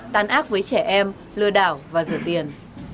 tán ác với trẻ em lừa đảo và rửa tiền